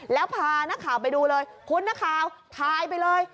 แล้วพานักข่าวไปดูเลยคุณนักข่าวทายไปเลย